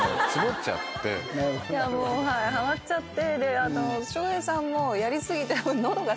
はまっちゃって。